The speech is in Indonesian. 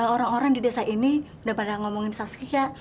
orang orang di desa ini sudah pada ngomongin saskia